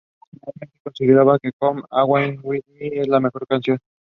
The wagon tree ("Protea nitida") is found here.